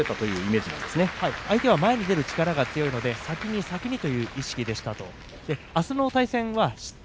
相手は前に出る力が強いので先に先にという意識でいきました。